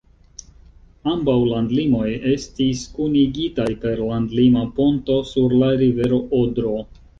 Ambaŭ landlimoj estis kunigitaj per landlima ponto sur la rivero Odro.